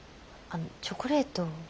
あのチョコレート。